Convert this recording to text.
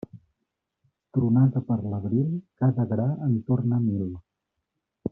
Tronada per l'abril, cada gra en torna mil.